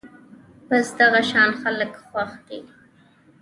بس دغه شان خلک خوښ دي